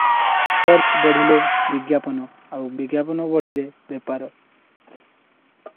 Search ବଢ଼ିଲେ ବିଜ୍ଞାପନ ଆଉ ବିଜ୍ଞାପନ ବଢ଼ିଲେ ବେପାର ।